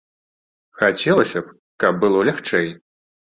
Хацелася б, каб было лягчэй.